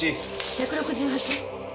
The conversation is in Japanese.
１６８。